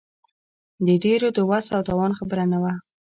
د ډېرو د وس او توان خبره نه وه.